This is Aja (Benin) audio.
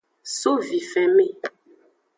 So vifenme.